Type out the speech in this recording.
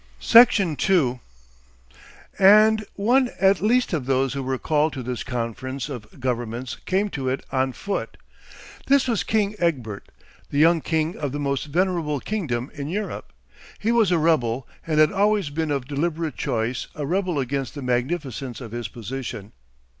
Section 2 And one at least of those who were called to this conference of governments came to it on foot. This was King Egbert, the young king of the most venerable kingdom in Europe. He was a rebel, and had always been of deliberate choice a rebel against the magnificence of his position.